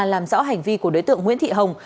làm rõ hành vi của đối tượng nguyễn thị hồng